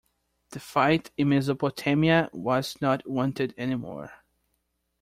The fight in Mesopotamia was not wanted anymore.